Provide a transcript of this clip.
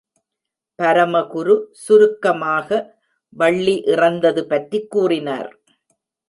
பரமகுரு சுருக்கமாக வள்ளி இறந்தது பற்றி கூறினார்.